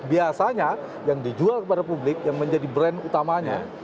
biasanya yang dijual kepada publik yang menjadi brand utamanya